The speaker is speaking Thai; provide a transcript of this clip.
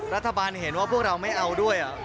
รัฐบาลเห็นว่าพวกเราไม่เอาด้วย